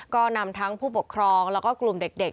ก็นำทั้งผู้ปกครองแล้วก็กลุ่มเด็ก